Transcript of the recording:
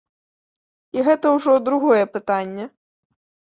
І гэта ўжо другое пытанне.